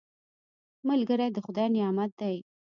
ملګری د خدای نعمت دی